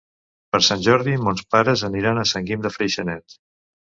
Per Sant Jordi mons pares aniran a Sant Guim de Freixenet.